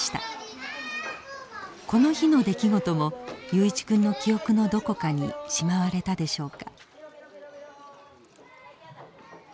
この日の出来事も雄一君の記憶のどこかにしまわれたでしょうか。